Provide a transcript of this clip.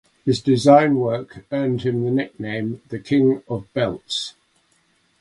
His design work earned him the nickname "the King of Belts".